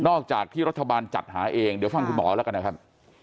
จากที่รัฐบาลจัดหาเองเดี๋ยวฟังคุณหมอแล้วกันนะครับ